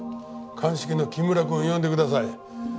鑑識の木村君を呼んでください。